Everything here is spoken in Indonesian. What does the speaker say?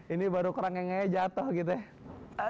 ini baru kurang nge ngai jatuh gitu ya